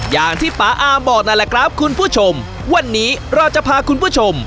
อย่างที่ป๊าอาบอกนั่นแหละครับคุณผู้ชมวันนี้เราจะพาคุณผู้ชม